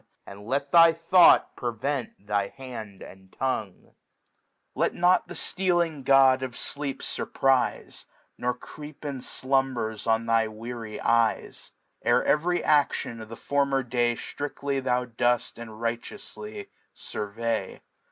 And let tky Thought prevent thy Hand aiidTongiiA^ Let not the ftealing God of Sleep fuiprife^ > Nor creep in Slumbers on thy weary Ey^, Ere tv^ry A^on of the former Day Striftly tljou doH and righteouily furvey.